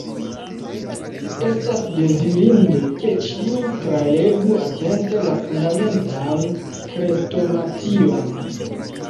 Estas dezirinde, ke ĉiu, tralegu atente la Fundamentan Krestomation.